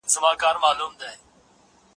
د نورو قصو په نسبت دغه قصه جالبه ده.